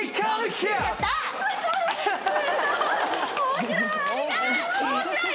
面白い？